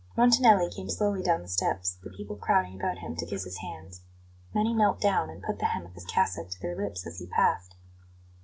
Montanelli came slowly down the steps, the people crowding about him to kiss his hands. Many knelt down and put the hem of his cassock to their lips as he passed.